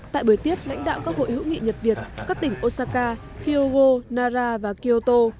tại bữa tiết lãnh đạo các hội hữu nghị nhật việt các tỉnh osaka hyogo nara và kyoto